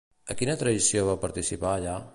A quina traïció va participar allà?